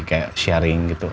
kayak sharing gitu